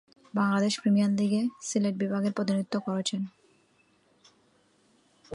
Bangladesh premier লীগে সিলেট বিভাগের প্রতিনিধিত্ব করছেন।